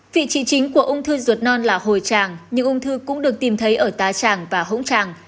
vị trí chính của ung thư ruột non là hồi tràng nhưng ung thư cũng được tìm thấy ở tá tràng và hỗn tràng